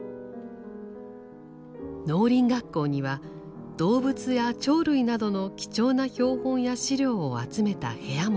農林学校には動物や鳥類などの貴重な標本や資料を集めた部屋もありました。